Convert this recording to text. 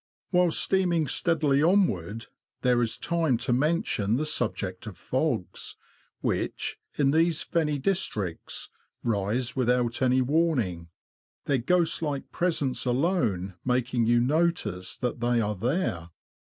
While steaming steadily onward, there is time to mention the subject of fogs, which, in these fenny districts, rise without any warning; their ghost like presence alone making you notice that they are there.